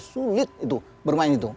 sulit itu bermain itu